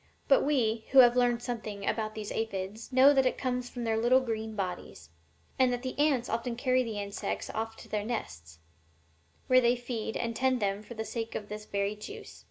But we, who have learned something about these aphides, know that it comes from their little green bodies, and that the ants often carry the insects off to their nests, where they feed and 'tend them for the sake of this very juice.